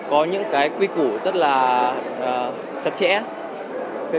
có những cái quy củ rất là chặt chẽ